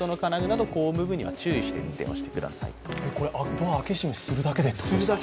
ドア開け閉めするだけでってことですか？